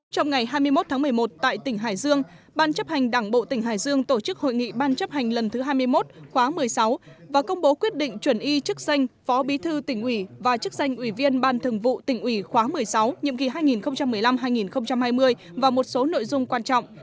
trong ngày hai mươi một tháng một mươi một tại tỉnh hải dương ban chấp hành đảng bộ tỉnh hải dương tổ chức hội nghị ban chấp hành lần thứ hai mươi một khóa một mươi sáu và công bố quyết định chuẩn y chức danh phó bí thư tỉnh ủy và chức danh ủy viên ban thường vụ tỉnh ủy khóa một mươi sáu nhiệm kỳ hai nghìn một mươi năm hai nghìn hai mươi và một số nội dung quan trọng